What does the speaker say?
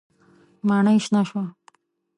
ماڼۍ شنه شوه.